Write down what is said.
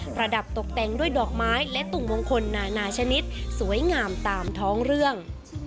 ระดับตกแต่งด้วยดอกไม้และตุ่มมงคลนานาชนิดสวยงามตามท้องเรื่อง